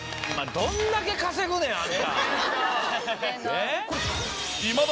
どんだけ稼ぐねんあんた。